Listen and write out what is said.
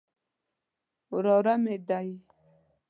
وراره مې دی.